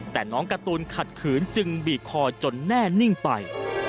แต่น้องการ์ตูนขัดขืนจึงบีบคอจนแน่นิ่งไป